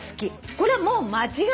これはもう間違いない。